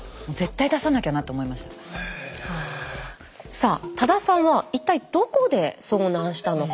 さあ多田さんは一体どこで遭難したのか。